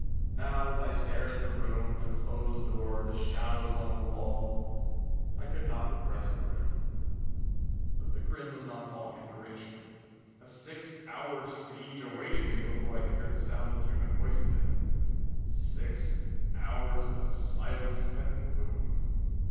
Now, as I stared at the room, the closed door, the shadows on the wall, I could not repress a grin. But the grin was not long in duration. A six hour siege awaited me before I could hear the sound of human voice again six hours of silence and gloom.